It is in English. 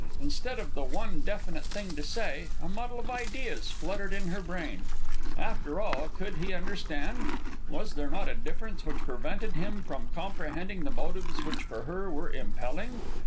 Instead of the one definite thing to say, a muddle of ideas fluttered in her brain. After all, could he understand? Was there not a difference which prevented him from comprehending the motives which, for her, were impelling?